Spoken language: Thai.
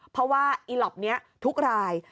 เพราะว่าอีหล็อปนี้ทุกราย